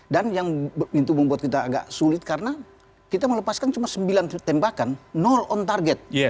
dan yang itu membuat kita agak sulit karena kita melepaskan cuma sembilan tembakan on target